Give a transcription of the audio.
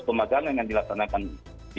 pemajangan yang dilaksanakan di